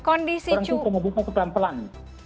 orang tuh cuma buka pelan pelan